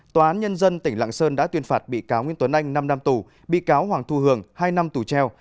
tòa án nhân dân tỉnh lạng sơn đã tuyên phạt bị cáo nguyễn tuấn anh năm năm tù bị cáo hoàng thu hường hai năm tù treo